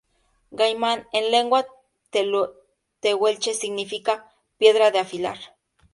Gaiman en lengua tehuelche significa "piedra de afilar".